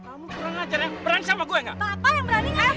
kamu kurang ajar ya berani sama gue enggak